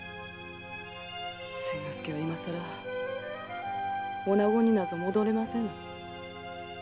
千之助は今更女子になど戻れませぬ。